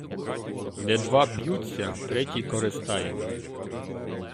Де два б'ються, третій користає.